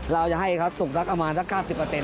เราจะให้ตระสุกตรงเป็นระยะปกติ๙๐